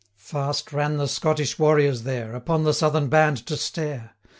Fast ran the Scottish warriors there, Upon the Southern band to stare.